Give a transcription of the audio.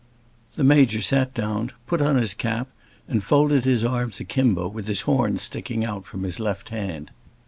The Major sat down, put on his cap, and folded his arms akimbo, with his horn sticking out from his left hand.